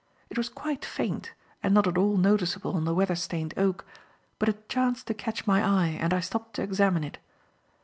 It was quite faint and not at all noticeable on the weather stained oak, but it chanced to catch my eye and I stopped to examine it.